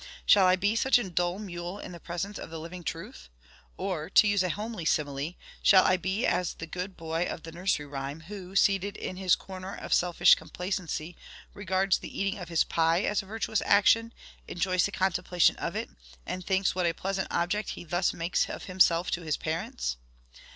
Shall I be such a dull mule in the presence of the living Truth? Or, to use a homely simile, shall I be as the good boy of the nursery rhyme, who, seated in his corner of selfish complacency, regards the eating of his pie as a virtuous action, enjoys the contemplation of it, and thinks what a pleasant object he thus makes of himself to his parents?